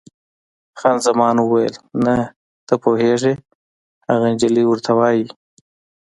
خان زمان وویل: نه، ته پوهېږې، هغه انجلۍ ورته وایي.